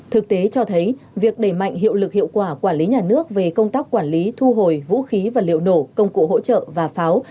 thực tế cho thấy việc đẩy mạnh hiệu lực hiệu quả quản lý nhà nước về công tác quản lý thu hồi vũ khí vật liệu nổ công cụ hỗ trợ và pháo